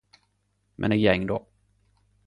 Men eg gjeng då